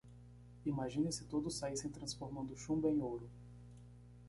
Imagine se todos saíssem transformando chumbo em ouro.